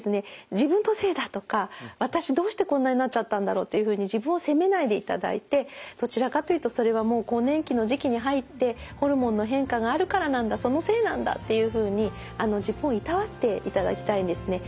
自分のせいだとか私どうしてこんなになっちゃったんだろうっていうふうに自分を責めないでいただいてどちらかというとそれはもう更年期の時期に入ってホルモンの変化があるからなんだそのせいなんだっていうふうに自分をいたわっていただきたいんですね。